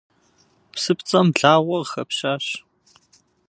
Псыпцӏэм благъуэ къыхэпщащ.